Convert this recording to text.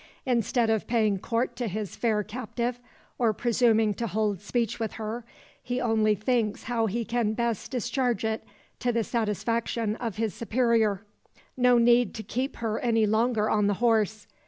Instead of paying court to his fair captive, or presuming to hold speech with her, he only thinks how he can best discharge it to the satisfaction of his superior. No need to keep her any longer on the horse.